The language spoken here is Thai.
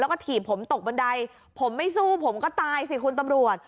แล้วก็ถีบผมตกบันไดผมไม่สู้ผมก็ตายสิคุณตำรวจ